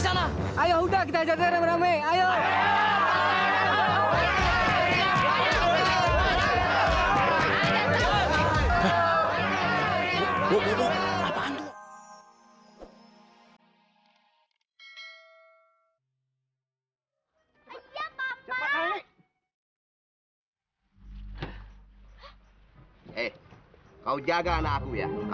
anak hutan itu ngejar ngejar kita